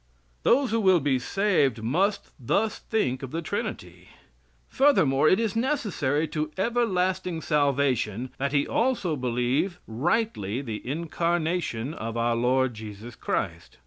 Those who will be saved must thus think of the Trinity. Furthermore, it is necessary to everlasting salvation that he also believe rightly the incarnation of our Lord Jesus Christ.